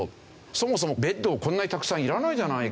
そもそもベッドをこんなにたくさんいらないじゃないか。